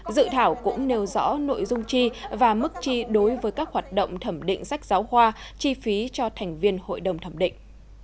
dự thảo cũng nêu rõ nội dung chi và mức chi đối với các hoạt động thẩm định sách giáo khoa chi phí cho thành viên hội đồng thẩm định